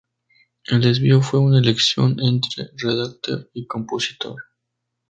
El desvío fue una elección entre Redactar y Compositor.